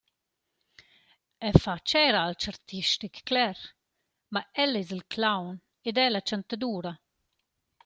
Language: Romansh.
Eu fetsch eir alch artistic, cler, ma el es clown, ed eu chantadura.